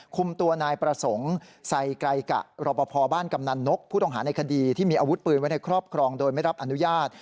คุมตัวนายประสงค์ใส่ไกรกะรอปภบ้านกำนันนกผู้ต้องหาในคดีที่มีอาวุธปืนไว้ในครอบครองโดยไม่รับอนุญาต